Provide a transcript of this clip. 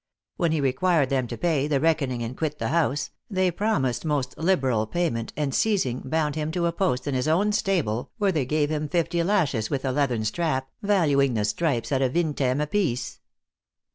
When he required them to pay the reckoning and quit the house, they promised most liberal payment, and seiz ing, bound him to a post in his own stable, where they gave him fifty lashes with a leathern strap, valu ing the stripes at a vintem apiece."